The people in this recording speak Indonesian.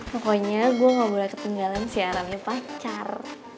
pokoknya gue gak boleh ketinggalan siaran ini pacar